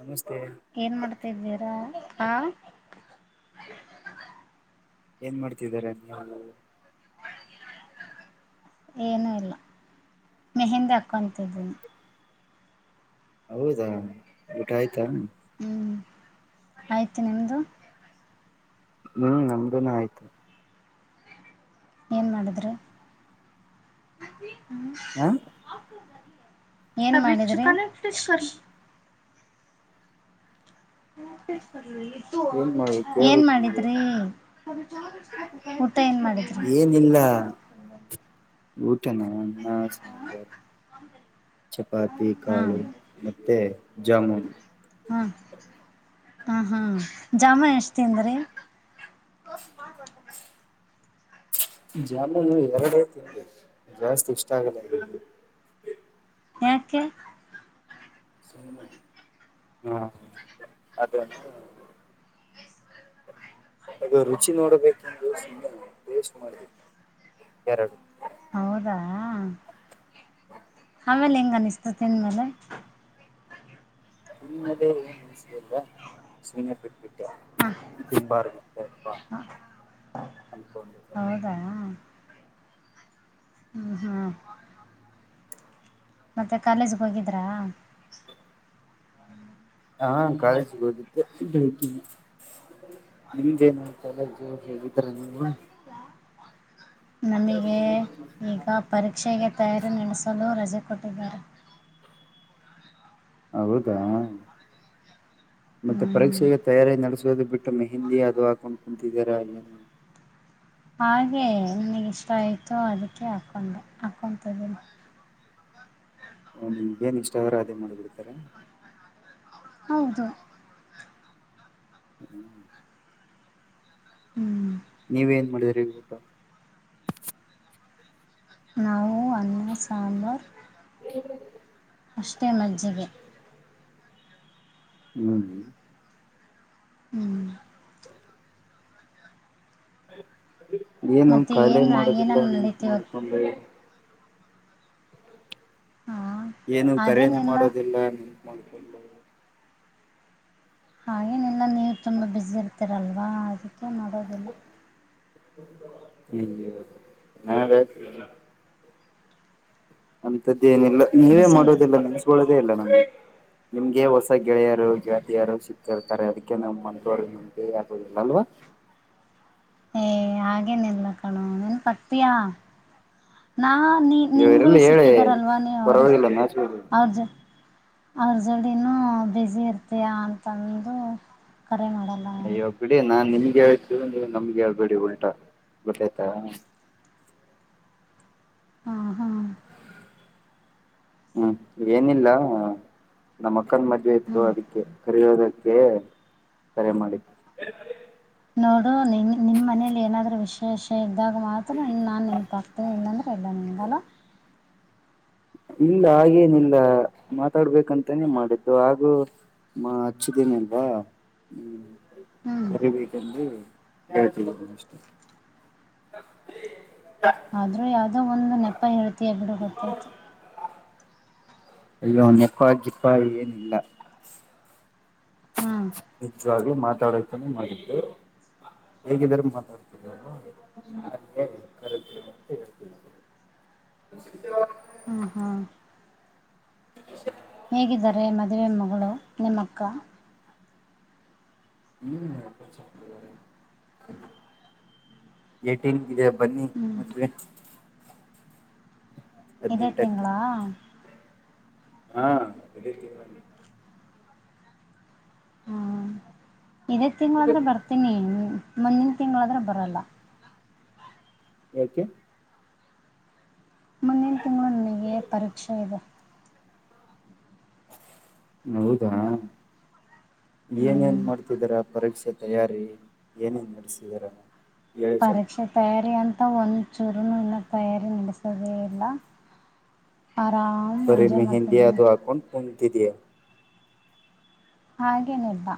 ನಮಸ್ತೆ ಏನ್ ಮಾಡ್ತಾದ್ದೀರಾ ಹಾ. ಏನ್ ಮಾಡ್ತಿದಿದ್ದಾರೆ ನೀವು. ಏನುೂ ಇಲ್ಲ ಮೆಹಿಂದಿ ಹಾಕ್ಕೊಂತಿದ್ದೀನಿ. ಹೌದಾ ಊಟ ಆಯ್ತಾ. ಹ್ಮ್ ಆಯ್ತು ನಿಮ್ದು. ಹ್ಮ್ ನಮ್ದುನು ಆಯ್ತು. ಏನ್ ಮಾಡುದ್ರೀ. ಹಾ ಏನು ಮಾಡಿದ್ರಿ. ಏನ್ ಮಾಡ್ಬೇಕು ಏನ್ ಕೇಳ್ಬೇಕು ನೀವೇ ಮಾಡಿದ್ರೀ. ಊಟ ಏನ್ ಮಾಡಿ ಏನಿಲ್ಲ ಊಟನ ಅನ್ನ ಸಾಂಬಾರ್. ಚಪಾತಿ ಹಾ ಕಾಳು ಮತ್ತೆ ಜಾಮುನ್. ಹ ಹಾ ಹಾ ಜಾಮೂನ್ ಎಷ್ಟು ತಿಂದ್ರೀ. ಜಾಮುನ ಎರಡೇ ತಿನ್ದೀದ್ದು ಜಾಸ್ತಿ ಇಷ್ಟ ಆಗಲ್ಲ. ಯಕೇ. ಹ್ಮ ಅದು. ಅದು ರುಚಿ ನೋಡಬೇಕೆಂದು ಸುಮನೆ ಟೇಸ್ಟ್ ಮಾಡಿದವಿ ಎರಡು. ಹೌದಾ ಆಮೇಲೆ ಹೆಂಗ ಅನಿಸ್ತು ತಿಂದ್ಮೇಲೆ. ತಿಂದ ಮೇಲೆ ಏನ್ ಅನಿಸಬೇಕ ಸುಮ್ಮನೆ ಬಿಟ್ಟ್ ಬಿಟ್ಟೆ. ಹಾ ತುಂಬಾಗತಪ್ಪ ಅನ್ಕೊಂಡು. ಹೌದಾ ಹ್ಮ್ ಹ್ಮ್ ಮತ್ತೆ ಕಾಲೇಜ್ಗ್ ಹೋಗಿದ್ರಾ. ಹಾ ಕಾಲೇಜಿಗ ಹೊಗಿದ್ದೇ ಬೆಂಕಿ. ನಿಮ್ದೇನ್ ಕಾಲೇಜು ಹೊಗಿದ್ದರ ನೀವು. ನಮಗೆ ಈಗ ಪರೀಕ್ಷೆಗೆ ತಯಾರಿ ನಡೆಸಲು ರಜೆ ಕೊಟ್ಟಿದ್ದಾರೆ. ಹೌದಾ ಮತ್ತೆ ಹ್ಮ್ ಪರೀಕ್ಷೆಗೆ ತಯಾರಿ ನಡೆಸೋದು ಬಿಟ್ಟು ಮೆಹಿಂದಿ ಅದು ಹಾಕೊಂಡು ಕುಂತಿದ್ದೀರಾ ಏನು. ಹಾಗೇ ನಿನಗಿಷ್ಟ ಆಯಿತು ಅದಕ್ಕೆ ಹಾಕ್ಕೊಂಡೆ ಹಾಕ್ಕೊತಿದ್ದೀನಿ. ಹ ನಿಮ್ಗ ಏನ್ ಇಷ್ಟ ಆದ್ರೇ ಅದೇ ಮಾಡ್ಬಿಡ್ತೀರ. ಹೌದು [inaudible] ಹ್ಞೂ ನೀವ್ ಏನ್ ಮಾಡುದ್ರೀ ಈಗ ಊಟ. ನಾವು ಅನ್ [unintelligible] ಹಾ ಸಾಂಬಾರ್. [unintelligible] ಇಷ್ಟೇ ಮಜ್ಜಿಗೆ ಹ್ ಹ್ಞೂ ಏನು ಮತ್ತು ಖಾಯಾಲಿ ಏನು ಮಾಡದಿಲ್ಲ ಏನನ್ನು ನೆಂತ ನಡೀತೀವ ಮಾಡ್ಕೊಂಡೆ ಹಾಂ ಏನು ಕರೇನೆ ಹಾಗೇನಿಲ್ಲ ಮಾಡೋದಿಲ್ಲ ಮಾಡ್ಕೊಂಡು ಹಾ ಗೇನಿಲ್ಲಲ್ಲ ನೀ ನೀ ತುಂಬಾ ಬಿಸಿ ಇರ್ತರಲ್ವಾ ಅದಕ್ಕೆ ನೋಡೋದಿಲ್ಲ [unintelligible] ಅಂದ್ದೇನಿಲ್ಲ ನೀವೇ ಬ್ಯುಸಿ ಮಾಡೋದಿಲ್ಲ ನೆನೆಸ್ಕೊಳ್ಳೋದೇ ಇಲ್ಲ ನಮ್ಗೆ ನಿಮ್ಗೆ ಹೊಸ ಗೆಳೆಯರು ಗೆಯಾತಿಯರು ಸಿಕ್ತಿರ್ತಾರೆ ಅದಕ್ಕೆ ನಮ್ಮ ಮಂದವರು [unintelligible] ಏ ಹಾಗೇನಿಲ್ಲ ಕಣೋ ನೆನಪಾಗ್ತೀಯಾ ನಾ ನೀ ಇವ್ರಲ್ಲ ನಿನಗೂನು ಹೇಳಿ ಸಿಕ್ಕಿದಾರಲ್ವ ನೀ ಅವರು ಪರವಾಗಿಲ್ಲ ನಾಚ್ಬೇಡಿ ಅವ್ರ ಜ ಅವ್ರ ಜೋಡಿನೂ ಬಿಸಿ ಇರ್ತಿಯ ಅಂತಂದು ಕರೆ ಮಾಡಲ್ಲ ಅವನು ಅಯ್ಯೋ ಬಿಡಿ ನಾನ್ ನಿಮ್ಗೆ ಹೇಳ್ತ ನೀವು ನಮ್ಗೆ ಹೇಳ್ಬಿಡಿ ಉಲ್ಟಾ ಗೊಟ್ಟಯ್ತಾ ಹಾ ಹಾ ಹ್ಮ್ ಏನಿಲ್ಲ ನಮ್ಮ ಅಕ್ಕನ್ ಮದ್ವೆ ಹ್ಞೂ ಇತ್ತು ಅದಕ್ಕೆ ಕರೆಯೋದಕ್ಕೆ ಕರೆ ಮಾಡಿ ನೋಡೋಣ ನಿಮ್ ನಿಮ್ ಮನೇಲಿ ಏನಾದ್ರೂ ವಿಷಯ [unintelligible] ಇದ್ದಾಗ ಮಾತ್ರ ನಾನ್ ನೆನಪ ಆಗತನಿ ಇಲ್ಲಂದರ ಇಲ್ಲಾ ನಿನಗ ಅಲ್ಲಾ ಇಲ್ಲ ಹಾಗೇನಿಲ್ಲ ಮಾತಾಡ್ಬೇಕಂತಾನೇ ಮಾಡಿದ್ದು ಹಾಗೂ ಮಾ ಹಚ್ಚಿದ್ದೇನಲ್ವಾ ಹ್ಮ್ ಹ್ಞೂ ಹರಿಬೇಕಂದು ಹೇಳ್ತಿನಿ ಅಷ್ಟೆ ಆದ್ರೂ ಯಾವ್ದೋ ಒಂದು ನೆಪ ಹೇಳ್ತಯ ಬಿಡು ಗೊತ್ತೈತಿ ಅಯ್ಯೋ ನೆಪ ಗಿಪ್ಪ ಏನಿಲ್ಲ ಹ್ಞೂ ನಿಜ್ವಾಗ್ಲೂ ಮಾತಾಡೋಕೆನೆ ಮಾಡಿದ್ದು ಹೇಗಿದ್ದರೂ ಮಾತಾ..... [unintelligible] ಹ್ಞೂ ಹ್ಞೂ [unintelligible] ಹೇಗಿದ್ದಾರೆ ಮದುವೆ ಮಗಳು ನಿಮ್ಮಕ್ಕ ನೀ [unintelligible] ಯೈಟೀನ್ಗಿದೆ ಬನ್ನಿ ಹ್ಞೂ ಮದುವೆ ಇದೇ ಹದ್ನೆಂಟಕ್ಕೆ ತಿಂಗಳ ಆ ಹಾ ಇದೆ ತಿಂಗಳೆ [unintelligible] ಹ್ಞೂ ಇದೇ ತಿಂಗಳಾದ್ರೆ ಬರ್ತೀನಿ ಮುಂದಿನ ತಿಂಗಳಾದ್ರೆ ಬರಲ್ಲ ಯಾಕೆ ಮುಂದಿನ ತಿಂಗಳು ನನಗೆ ಪರೀಕ್ಷೆ ಇದೆ ಹೌದಾ ಆ ಏನ್ ಏನ್ ಹ್ಮ್ ಮಾಡ್ತಿದೀರಾ ಪರಿಷೆ ತಯಾರಿ ಏನೇನ್ ನಡೆಸಿದಾರ ಹೇಳಿ ಸ್ವಲ್ಪ ಪರೀಕ್ಷೆ ತಯಾರಿ ಅಂತ ಒಂದ್ ಚೂರುನು ಇನ್ನ ತಯಾರಿ ನಡೆಸೋದೇ ಇಲ್ಲ ಆರಾಮ್ ಬರೀ ಎಂಜಾಯ್ ಮೆಹಂದಿ ಮಾಡ್ತಿದ್ದೀನಿ ಅದು [unintelligible] ಹಾಗೇನೆಬ್ಬಾ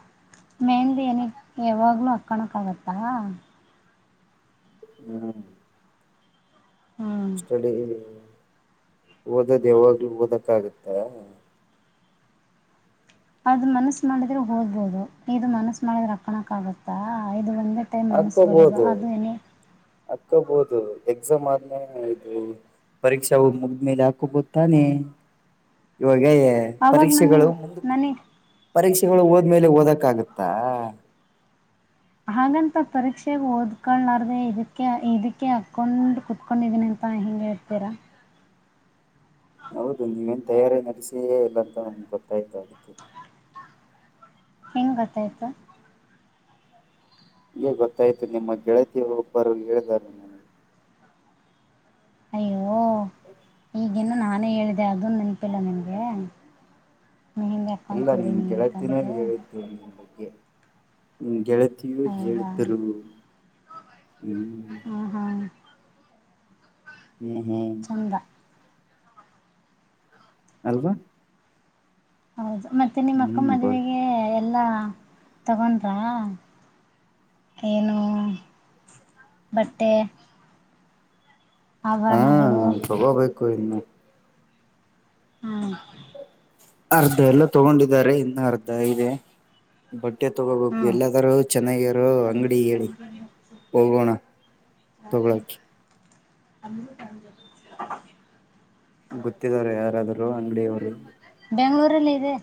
ಮೆಂದ ಏನಿ ಯಾವಾಗ್ಲೂ ಹಕ್ಕಳಕ್ ಆಗತ್ತಾ ಹ್ಮ್ ಹ್ಮ್ ಅಷ್ಟಲ್ಲಿ ಓದೋದ್ ಯಾವಾಗ್ಲೂ ಓದಕ್ಕಗತ್ತ ಅದು ಮನಸ್ಸ ಮಾಡಿದ್ರೆ ಹೋಗ್ಬೋದು ಇದು ಮನಸ್ಸ ಮಾಡಿದ್ರೆ ಅಕಣಕ್ ಆಗುತ್ತಾ ಇದು ಒಂದೇ ಟೈಮ್ ಮನಸ್ ಬರೋದು ಹಾಕೋಬಹದು ಅದು ಏನ ಹಕೋಬಹುದು ಎಕ್ಸಾಮ್ ಆದ್ಮೇಲೆ. ಪರೀಕ್ಷ ಮುಗ್ದ್ಮೇಲೆ ಹಾಕೋಬಹುದು ತಾನೇ. ಅವಾಗ ಪರೀಕ್ಷೆಗಳು ನನಗ್ ನನಗ್ ಪರೀಕ್ಷೆಗಳು ಹೊದ್ಮೇಲೆ ಓದೋಕ ಆಗುತ್ತಾ. ಹಾಗಂತ ಪರೀಕ್ಷೆಗ ಓದ್ಕೊಳ್ಳಾರ್ದೆ ಇದಕ್ಕೆ ಇದಕ್ಕೆ ಹಕೊಂಡ್. ಕೊಂಡಿದ್ದೀನಿ ಅಂತ ಹಿಂಗೆ ಹೇಳ್ತೀರಾ. ಹೌದು ನೀವೇನ್ ತಯಾರಿ ನಡೆಸಿಯೇ ಇಲ್ಲ ಅಂತ ಗೊತ್ತಾಯ್ತು ಅದಕ್ಕೆ. ಹೆಂಗೆ ಗೊತ್ತಾಯ್ತು. ಹಂಗೆ ಗೊತ್ತಾಯ್ತು ನಿಮ್ಮ ಗೆಳತಿ ಒಬ್ಬರು ಹೇಳಿದ್ದಾರೆ. ಅಯ್ಯೋ ಈಗ್ ಇನ್ನು ನಾನೇ ಹೇಳಿದೆ ಅದುನ್ನು ನೆನಪಿಲ್ಲ ನಿಂಗೆ. ಇಲ್ಲ ನೀನ್ ಗೆಳತಿನೇ ಹೇಳಿದು. ನಿಮ್ಮ ಗೆಳತಿಯೂ ಹೌದಾ ಹೇಳಿದ್ದರು. ಹ್ಮ್ ಹಾಂ ಹಾಂ ಹ್ಮ್ ಹ್ಮ್ ಹೌದ ಅಲ್ವಾ. ಹೌದು ಮತ್ತೆ ನಿಮ್ಮ ಅಕ್ಕ ಹ್ಮ್ ಬಲ್ ಮದುವೆಗೆ ಎಲ್ಲಾ ತಗೊಂಡ್ರಾ. ಏನು ಬಟ್ಟೆ. ಹಾ ಆಭರಣಗಳು ತಕೊಬೇಕು ಇನ್ನು. ಹ್ಮ್ ಅರ್ಧ ಎಲ್ಲ ತಗೊಂಡಿದ್ದಾರೆ ಇನ್ನು ಅರ್ಧ ಇದೆ. ಬಟ್ಟೆ ತಗೋಬೇಕು ಹಾಂ ಎಲ್ಲಾದರೂ ಚೆನ್ನಾಗಿರೋ ಅಂಗಡಿ ಹೇಳಿ ಹೋಗೋಣ. ತಗೊಳೋಕೆ. [inaudible] ಗೊತ್ತಿದಾರ ಯಾರಾದ್ರು ಅಂಗಡಿಯವರು. ಬೆಂಗಳೂರಲ್ಲಿ ಇದೆ.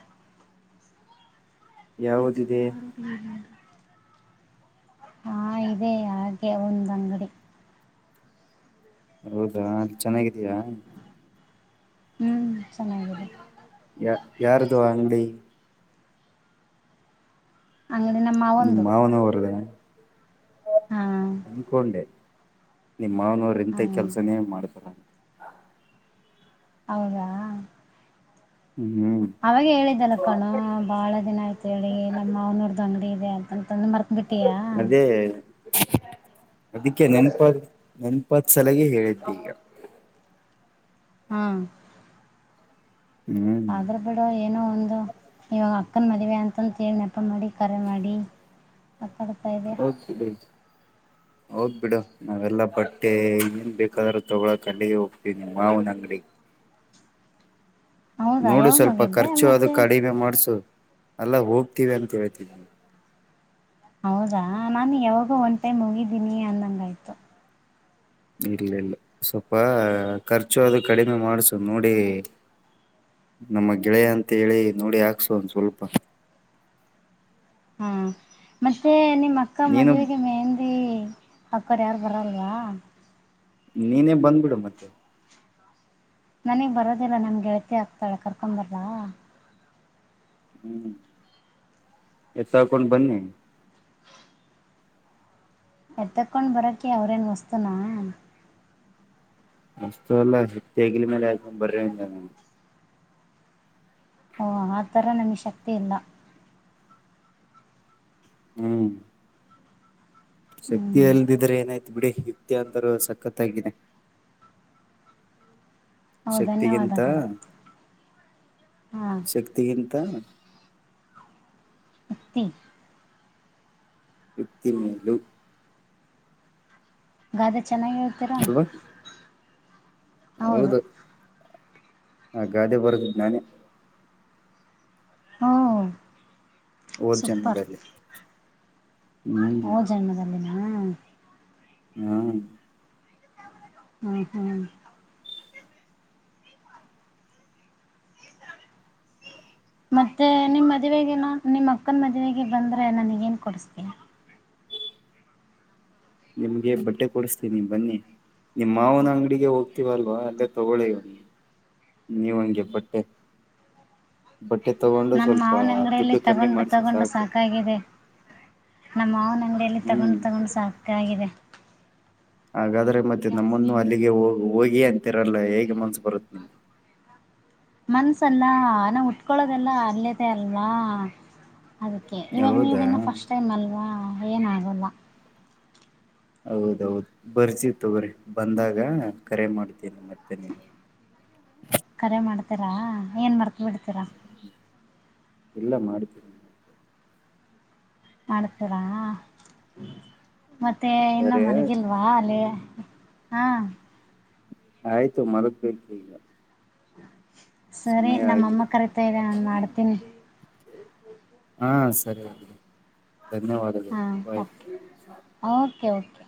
ಯಾವುದು ಇದೆ. [inaudible] ಹಾ ಇದೆ ಹಾಗೆ ಒಂದ್ ಅಂಗಡಿ. ಹೌದಾ ಅಲ್ಲಿ ಚೆನ್ನಾಗಿದಿಯಾ. ಹ್ಮ್ ಚೆನ್ನಾಗಿದೆ. ಯ ಯಾರ್ದು ಅಂಗಡಿ. ಅಂಗಡಿ ನಮ್ಮ ನಿಮ್ ಮಾವಂದು ಮಾವ ಅವರದ. ಹಾ ಅನ್ಕೊಂಡೆ ನಿಮ್ಮ ಮಾನವರು ಹ ಇಂತ ಕೆಲಸನೇ ಮಾಡ್ತಾರೇ. ಹೌದಾ ಹ್ಮ್ ಅವಾಗ ಹೇಳಿದಲ್ಲ ಕಣೋ ಬಾಳ ದಿನ ಆಯತ ಹೇಳಿ ನಮ್ಮ ಮಾವಅವರ್ದು ಅಂಗಡಿ ಇದೆ ಅಂತತ ಮರೆತು. ಅದೇ. ಅದಕ್ಕೆ ನೆನ್ಪತ್ ನೆನ್ಪತ್ ಸಲಗ ಹೇಳಿದ್ದೆ ಈಗ. ಹ್ಮ ಹ್ಮ್ ಆದ್ರ ಬಿಡೊ ಏನೋ ಒಂದು ಇವಾಗ. ಅಕ್ಕನ್ ಮದುವೆ ಅಂತ ಹೇಳಿ ನೆಪ ಮಾಡಿ ಕರೆ ಮಾಡಿ. ಇದೆಯಾ ಓಕೆ ಬಿಡು. ನಾವೆಲ್ಲಾ ಬಟ್ಟೆ ಇನ್ನನ್ ಬೇಕಾದ್ರೂ ತೊಗೊ ಅಲ್ಲಿಗೆ ಹೋಗ್ತೀವಿ ಮಾವನ್ ಅಂಗ್ಡಿಗೆ. ಹೌದಾ ನೋಡು ಯಾವಾಗ ಸ್ವಲ್ಪ ಹೋಗಿದ್ದೆ ಖರ್ಚು ಅದು ಮತ್ತೆ ಕಡಿಮೆ ಮಾಡ್ಸು ಎಲ್ಲ ಹೋಗ್ತಿೀವಿ ಅಂತ ಹೇಳ್ತಿ ನಿ. ಹೌದಾ ನಾನು ಯಾವಾಗ ಒಂದ್ ಟೈಮ್ ಹೋಗಿದ್ದೀನಿ ಅಂದಂಗ ಆಯ್ತು. ಇಲ್ಲ ಇಲ್ಲ ಸ್ವಲ್ಪ ಖರ್ಚು ಅದು ಕಡಿಮೆ ಮಾಡ್ಸುದು ನೋಡಿ. ನಮ್ಮ ಗೆಳೆಯ ಅಂತ ಹೇಳಿ ನೋಡಿ ಹಾಕ್ಸೋ ಒಂದ ಸ್ವಲ್ಪ. ಹಾ ಮತ್ತೆ ನಿಮ್ಮ್ ಅಕ್ಕ ನೀನು ಮದುವೆಗೆ ಏನ್. [unintelligible] ಅಕ್ಕರ್ ಯಾರು ಬರಲ್ವಾ. ನೀನೇ ಬಂದ್ಬಿಡು ಮತ್ತೆ. ನನಗ್ ಬರೋದಿಲ್ಲ ನಮ್ಗೆಳಳ್ತಿ ಆಗ್ತಾಳೆ ಕರ್ಕೊಂಡ ಬರಲ್ಲಾ. ಹ್ಮ್ ಎತ್ ತಕೊಂಡು ಬನ್ನಿ. ಏತಕೊಂಡ್ ಬರಕ ಅವ್ರೇನ್ ವಸ್ತುನಾ. ಅಷ್ಟತು ಅಲ್ಲ ಶಕ್ತಿ ಆಗಿಲ್ ಮೇಲೆ ಆಾಕೊಂಡ್ [inaudible] ನಾನು. ಓ ಆಥರ ನಮ್ಗೆ ಶಕ್ತಿ ಇಲ್ಲ. ಹ್ಮ- ಹ್ಮ್ ಶಕ್ತಿಿಯಲ್ಲದಿದ್ರೆ ಏನಾಯ್ತು ಬಿಡಿ ಯುಕ್ತಿ ಅಂತರೂ ಸಖತ್ಾಗಿದೆ. ಓ ಶಕ್ತಿಗಿಂತ ಧನ್ಯವಾದಗಳು ಹಾ ಶಕ್ತಿಗಿಂತ. ಯುಕ್ತಿ. ಯುಕ್ತಿಮೇಲು. ಗಾದೆ ಚೆನ್ನಾಗ ಹೇಳ್ತೀರಾ. ಅಲ್ವಾ ಹೌದು ಆ ಗಾದೆ ಬರ್ದಿದ್ದ ನಾನೇ. ಹ್ಮ ಹಓದ್ ಜನ್ಮದಲ್ಲಿ. ಹ್ಮ್ ಒದ್ ಜನ್ಮದಲ್ಲಿನ. ಹ್ಮ್- ಹ್ಮ್ ಹ್ಮ್- ಮತ್ತೆ ನಿಮ್ಮ ಮದುವೆಗೆ ನ ನಿಮ್ಮ ಅಕ್ಕನ ಮದುವೆಗೆ ಬಂದ್ರೆ ನನಗ ಏನ್ ಕೊಡಿಸ್ತೀಯಾ. ನಿಮ್ಗೆ ಬಟ್ಟೆ ಕೊಡಸತ್ತಿನಿ ಬನ್ನಿ. ನಿಮ್ಮ ಮಾವನ ಅಂಗಡಿಗೆ ಹೋಗ್ತಿೀವಲ್ವ ಅಲ್ಲೇ ತೊಗೊಳ್ಳಳ್ಳಿ. ನೀವು ಹಂಗೆ ಬಟ್ಟೆ. ಬಟ್ಟೆ ತಗೊಂಡು ನಮ್ಮ ಸ್ವಲ್ಪ ಮಾವನ ಅಂಗಡಿಯಲ್ಲಿ ದುಡ್ಡು ಕಮ್ಮಿ ತಗೊಂಡು ಮಾಡಸರಿ ತಗೊಂಡು ಸಾಕು. [unintelligible] ಮಾವನ ಅಂಗಡಿ ಯಲ್ಲಿ ತಗೊಂಡು ಹ್ಮ್ ತಗೊಂಡು ಸಾಕಾಗಿದೆ. ಹಾಗಾದ್ರೆ ಮತ್ತೆ ನಮ್ಮನ್ನು ಅಲ್ಲಿಗೆ ಹೋಗ ಹೋಗಿ ಅಂತಿರಲ್ಲ ಹೇಗೆ ಮನ್ಸು ಬರುತ್ತತ್ ನಿಮ್ಗೆ. ಮನ್ಸಲ್ಲ ನಾವ್ ಉಟ್ಕೊಳೋದೆಲ್ಲ ಅಲ್ಲಿದೆ ಅಲ್ವಾ. ಅದಕ್ಕೆ ಇವಾಗ ನೀವು ಹೌದಾ ಇನ್ನುೂ ಫಸ್ಟ್ ಟೈಮ್ಲ್ವಾ ಏನಾಗಲ್ಲ. ಹೌದೌದು ಬರ್ತಿವಿ ತಗೋ ರಿ ಬಂದಾಗ ಕರೆ ಮಾಡ್ತೀನಾ ಮತ್ತ ನಿ. ಕರೆ ಮಾಡ್ತೀರಾ ಏನ್ ಮರ್ತ್ ಬಿಡ್ತೀರಾ. ಇಲ್ಲ ಮಾಡತೀವಿ. ಮಾಡ್ತೀರಾ ಮತ್ತೆ ಇನ್ನು ಸರಿ ಮನಗಿಲ್. ವಾ ಅಲ್ಲಿ ಹಾ. ಆಯ್ತು ಮಲಗ್ಬೇಕು ಈಗ. ಸರಿ ಸಮಯ ನಮ್ಮಮ್ಮ ಆಗಿದೆ ಕರಿತಾ ಇದೆ ನಾನ್ ಮಾಡ್ತೀನಿ. ಹಾ ಸರಿ ಧನ್ಯವಾದ. ಹಾಂ ಓಕೆ ಓಕೆ ಓಕೆ.